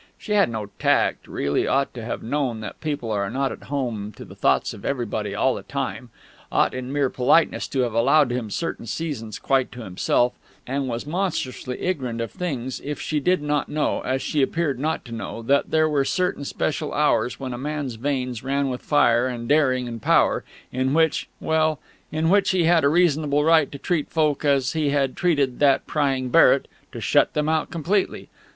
She had no tact; really ought to have known that people are not at home to the thoughts of everybody all the time; ought in mere politeness to have allowed him certain seasons quite to himself; and was monstrously ignorant of things if she did not know, as she appeared not to know, that there were certain special hours when a man's veins ran with fire and daring and power, in which ... well, in which he had a reasonable right to treat folk as he had treated that prying Barrett to shut them out completely....